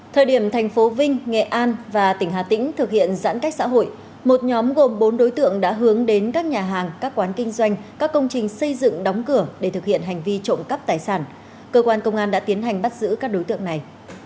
thời điểm thành phố vinh nghệ an và tỉnh hà tĩnh thực hiện giãn cách xã hội một nhóm gồm bốn đối tượng đã hướng đến các nhà hàng các quán kinh doanh các công trình xây dựng đóng cửa để thực hiện hành vi trộm cắp tài sản cơ quan công an đã tiến hành bắt giữ các đối tượng này